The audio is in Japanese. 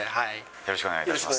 よろしくお願いします。